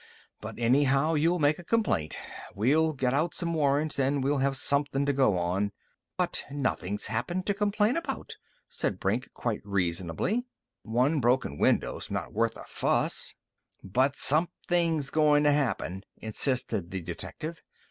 "But anyhow you'll make a complaint. We'll get out some warrants, and we'll have somethin' to go on " "But nothing's happened to complain about," said Brink, quite reasonably. "One broken window's not worth a fuss." "But somethin's goin' to happen!" insisted the detective.